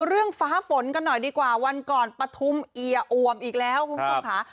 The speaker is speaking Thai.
เรื่องฟ้าฝนกันหน่อยดีกว่าวันก่อนปฐุมเอียอวมอีกแล้วคุณผู้ชมค่ะ